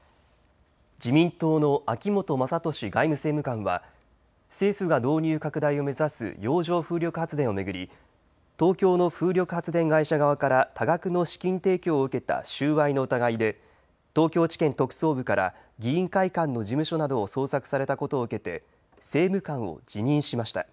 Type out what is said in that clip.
自民党の秋本真利外務政務官は政府が導入拡大を目指す洋上風力発電を巡り東京の風力発電会社側から多額の資金提供を受けた収賄の疑いで東京地検特捜部から議員会館の事務所などを捜索されたことを受けて政務官を辞任しました。